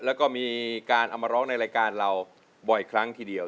แล้วก็มีการเอามาร้องในรายการเราบ่อยครั้งทีเดียว